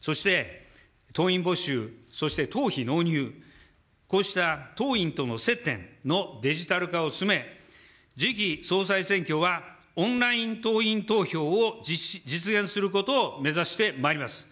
そして、党員募集、そして党費納入、こうした党員との接点のデジタル化を進め、次期総裁選挙はオンライン党員投票を実現することを目指してまいります。